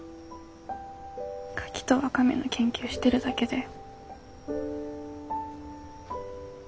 カキとワカメの研究してるだけだよ。